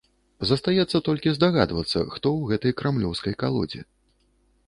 Застаецца толькі здагадвацца, хто ў гэтай крамлёўскай калодзе.